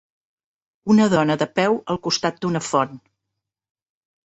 Una dona de peu al costat d'una font.